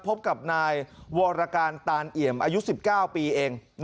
พบกับนายวรการตานเอี่ยมอายุ๑๙ปีเอง